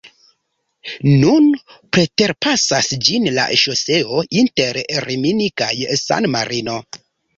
Nun preterpasas ĝin la ŝoseo inter Rimini kaj San-Marino.